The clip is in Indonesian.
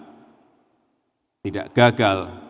hingga semuanya terdampingi dengan baik dan bisa tidak gagal